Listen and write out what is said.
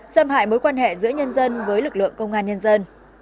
xâm hại mối quan hệ giữa nhân dân với lực lượng công an nhân dân